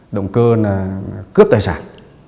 động cơ cướp tài sản